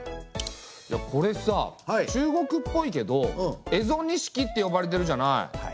いやこれさ中国っぽいけど蝦夷錦って呼ばれてるじゃない？